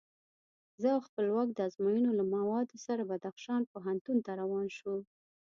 زه او خپلواک د ازموینو له موادو سره بدخشان پوهنتون ته روان شوو.